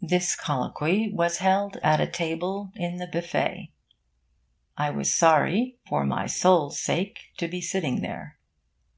This colloquy was held at a table in the Buffet. I was sorry, for my soul's sake, to be sitting there.